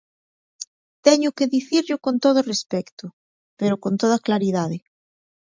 Teño que dicirllo con todo respecto pero con toda claridade.